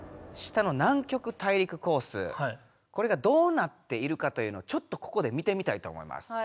これがどうなっているかというのをちょっとここで見てみたいと思います。